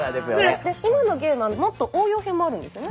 今のゲームもっと応用編もあるんですよね。